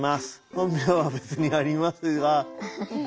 本名は別にありますが。